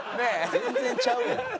全然ちゃうやん。